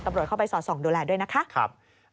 ตำรวจเข้าไปสอด๒ดูแลด้วยนะคะครับ